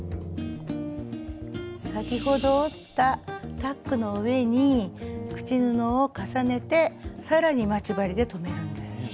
先ほど折ったタックの上に口布を重ねて更に待ち針で留めるんです。